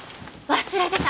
忘れてた！